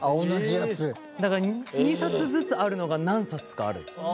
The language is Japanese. だから２冊ずつあるのが何冊かある。